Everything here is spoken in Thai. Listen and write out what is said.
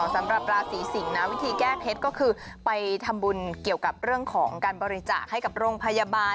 สำหรับราศีสิงศ์นะวิธีแก้เพชรก็คือไปทำบุญเกี่ยวกับเรื่องของการบริจาคให้กับโรงพยาบาล